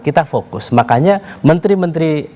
kita fokus makanya menteri menteri